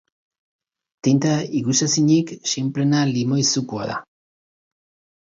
Tinta ikusezinik sinpleena limoi-zukua da.